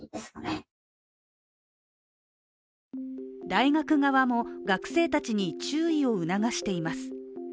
大学側も学生たちに注意を促しています。